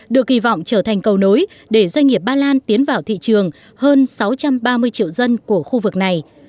được kỳ vọng trở thành cầu nối để doanh nghiệp ba lan tiến vào thị trường hơn sáu trăm ba mươi triệu dân của khu vực này